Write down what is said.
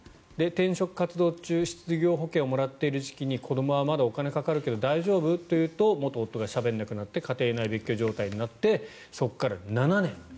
転職活動中失業保険をもらっている時期に子どもはまだお金かかるけど大丈夫？と言うと元夫がしゃべんなくなって家庭内別居状態になってそこから７年。